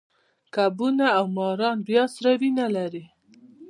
کبونه او ماران بیا سړه وینه لري